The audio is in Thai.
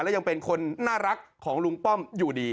และยังเป็นคนน่ารักของลุงป้อมอยู่ดี